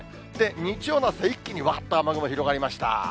日曜の朝、一気にわっと雨雲広がりました。